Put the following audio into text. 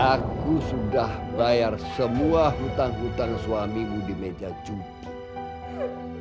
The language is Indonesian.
aku sudah bayar semua hutang hutang suamimu di meja cuci